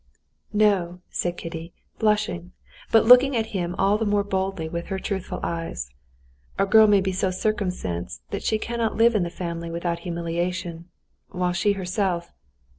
"No," said Kitty, blushing, but looking at him all the more boldly with her truthful eyes; "a girl may be so circumstanced that she cannot live in the family without humiliation, while she herself...."